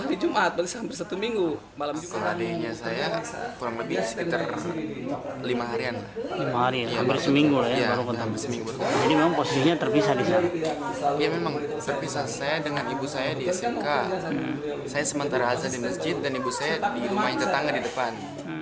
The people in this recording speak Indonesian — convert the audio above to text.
saya sementara hampir di masjid dan ibu saya di rumah yang tertangga di depan